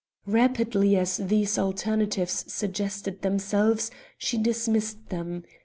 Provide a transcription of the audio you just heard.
Rapidly as these alternatives suggested themselves, she dismissed them.